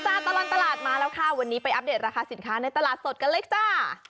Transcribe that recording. ตลอดตลาดมาแล้วค่ะวันนี้ไปอัปเดตราคาสินค้าในตลาดสดกันเลยจ้า